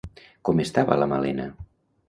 Com estava la Malena?